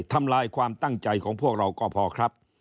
ทำลายความตั้งใจของพวกเราก็พอครับ